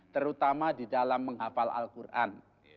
terutama di dalam menghafal al quran